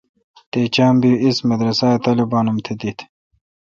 تے چام بی اس مدرسہ اے طالبان ام تہ دیت